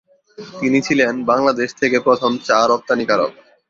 তিনি ছিলেন বাংলাদেশ থেকে প্রথম চা রপ্তানিকারক।